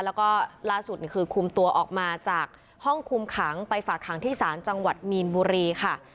แล้วก็ล่าสุดคือคุมตัวออกมาจากห้องคุมขังไปฝากขังที่ศาลจังหวัดมีนบุรีค่ะ